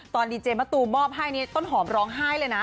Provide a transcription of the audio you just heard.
ตอนดีเจมส์ประตูมอบให้ต้นหอมร้องไห้เลยนะ